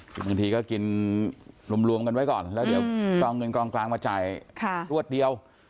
คือบางทีก็กินรวมกันไว้ก่อนแล้วเดี๋ยวต้องเอาเงินกองกลางมาจ่ายรวดเดียว